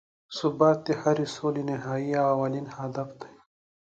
ثبات د هرې سولې نهایي او اولین هدف دی.